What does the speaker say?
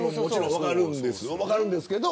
分かるんですけど。